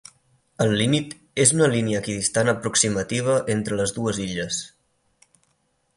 El límit és una línia equidistant aproximativa entre les dues illes.